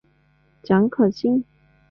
蒋可心。